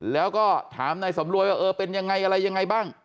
แล้วก็ถามนายสำรวยว่าเออเป็นยังไงอะไรยังไงบ้าง